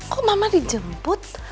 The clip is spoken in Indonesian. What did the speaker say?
kok mama dijemput